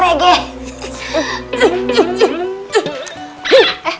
mas iti mau ngasih